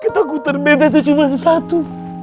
ketakutan beda itu cuma satu